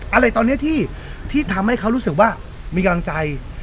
อะไรตอนนี้ที่ทำให้เขารู้สึกว่ามีกำลังใจ